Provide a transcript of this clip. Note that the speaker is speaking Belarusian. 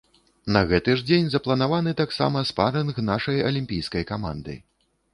На гэты ж дзень запланаваны тамсама спарынг нашай алімпійскай каманды.